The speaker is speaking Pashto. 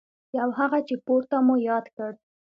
یو هغه چې پورته مو یاد کړ.